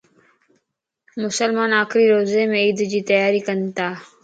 مسلمان آخري روزيمَ عيدَ جي تياري ڪنتا